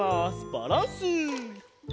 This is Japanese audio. バランス！